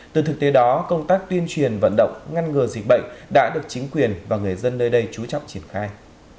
từ thực tế đó công tác tuyên truyền vận động ngăn ngừa dịch bệnh đã được chính quyền và người dân nơi đây chú trọng triển khai